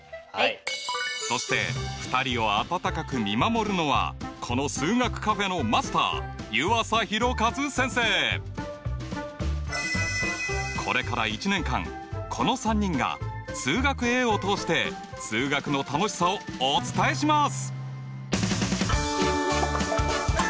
そして２人を温かく見守るのはこのこれから１年間この３人が「数学Ａ」を通して数学の楽しさをお伝えします。